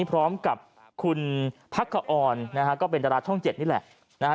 พร้อมกับคุณพักกะออนก็เป็นราชช่อง๗นี่แหละ